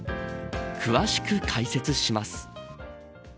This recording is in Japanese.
詳しく解説します。